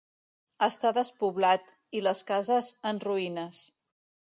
Està despoblat, i les cases, en ruïnes.